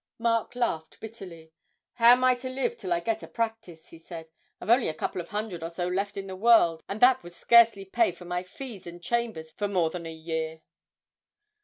Mark laughed bitterly. 'How am I to live till I get a practice?' he said; 'I've only a couple of hundred or so left in the world, and that would scarcely pay for my fees and chambers for more than a year.'